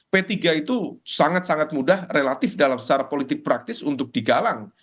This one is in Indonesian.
p tiga itu sangat sangat mudah relatif dalam secara politik praktis untuk digalang